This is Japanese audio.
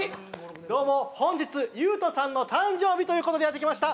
どうも本日ユウトさんの誕生日ということでやって来ました